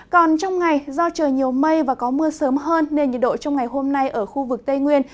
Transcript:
còn trong ngày do trời nhiều mây và có mưa sớm hơn nên nhiệt độ trong ngày hôm nay ở khu vực tây nguyên